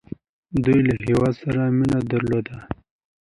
دوی له هیواد سره مینه درلوده.